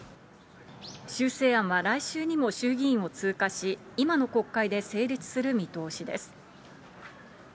修正案は来週にも衆議院を通過し、今の国会で成立する見通しです。